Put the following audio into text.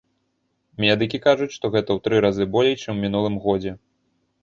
Медыкі кажуць, што гэта ў тры разы болей, чым у мінулым годзе.